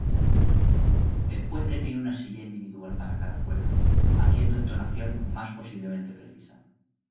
El puente tiene una silla individual para cada cuerda, haciendo entonación más posiblemente precisa.